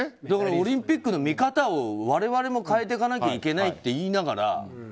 だからオリンピックの見方を我々も変えていかなきゃいけないと言いながら。